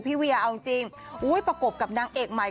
เวียเอาจริงประกบกับนางเอกใหม่